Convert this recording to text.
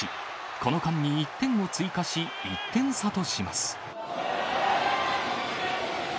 この間に１点を追加し、１点差とします。